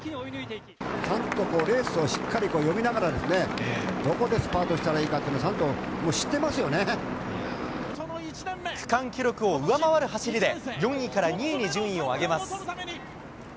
ちゃんとレースをしっかり読みながらね、どこでスパートしたらいいかというのをちゃんともう区間記録を上回る走りで、４位から２位に順位を上げます。